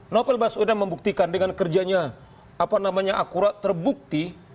nobel basudan membuktikan dengan kerjanya akurat terbukti